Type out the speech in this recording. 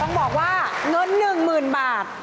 ต้องบอกว่าเงิน๑หมื่นบาท